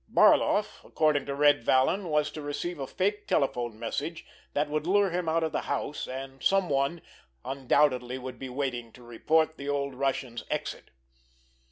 Barloff, according to Red Vallon, was to receive a fake telephone message that would lure him out of the house, and someone undoubtedly would be waiting to report the old Russian's exit.